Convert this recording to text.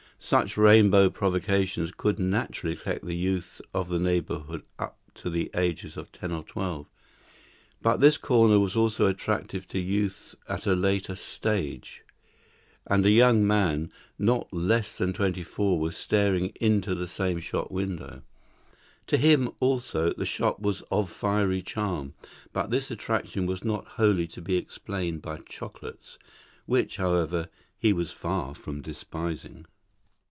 Such rainbow provocations could naturally collect the youth of the neighbourhood up to the ages of ten or twelve. But this corner was also attractive to youth at a later stage; and a young man, not less than twenty four, was staring into the same shop window. To him, also, the shop was of fiery charm, but this attraction was not wholly to be explained by chocolates; which, however, he was far from despising.